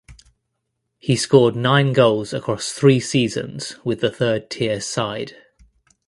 He scored nine goals across three seasons with the third tier side.